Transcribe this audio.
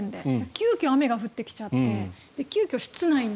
急きょ雨が降ってきちゃって急きょ、室内に。